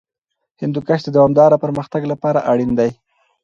هندوکش د دوامداره پرمختګ لپاره اړین دی.